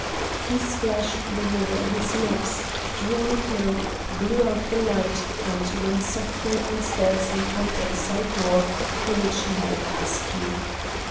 He splashed the water on his lips, drew on a cloak, blew out the light, and went softly downstairs and out at a side door for which he had a pass key.